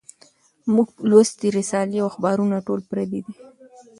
مونږ لوستي رسالې او اخبارونه ټول پردي دي